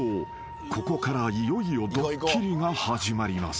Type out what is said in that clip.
［ここからいよいよドッキリが始まります］